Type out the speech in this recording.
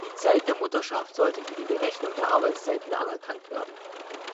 Die Zeit der Mutterschaft sollte für die Berechnung der Arbeitszeiten anerkannt werden.